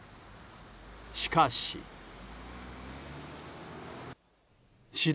しかし。